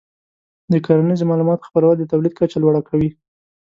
د کرنیزو معلوماتو خپرول د تولید کچه لوړه کوي.